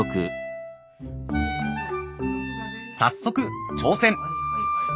早速挑戦！